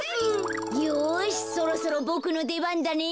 よしそろそろボクのでばんだね。